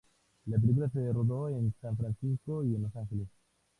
La película se rodó en San Francisco y en Los Ángeles.